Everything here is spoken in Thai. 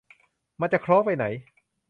มันจะคล้องไปไหน